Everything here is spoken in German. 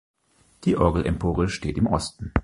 Die Orgelempore steht im Osten.